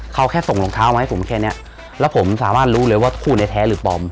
เขาแค่ส่งรองเท้ามาให้ผมแค่เนี้ยแล้วผมสามารถรู้เลยว่าคู่ในแท้หรือปลอม